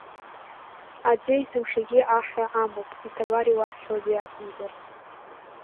Аӡы есымшагьы аҳра амоуп, иҭабар иуасҳәозеи акәымзар.